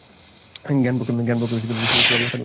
জ্ঞানপক্ষেও সর্বস্থানে তাঁকে অনুভব হয়।